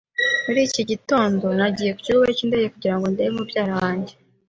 Muri iki gitondo, nagiye ku kibuga cy'indege kugira ngo ndebe mubyara wanjye.